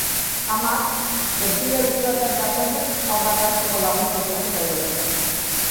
Amak, gurpil-aulki batean dagoenez, haurrak hazteko laguntza eskatuko dio.